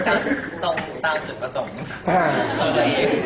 ๒ตามสิ่งที่ติดไปเขาเลย